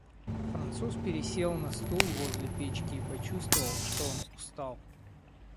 Француз пересел на стул возле печки и почувствовал, что он устал.